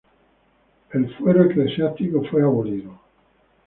El fuero eclesiástico fue abolido.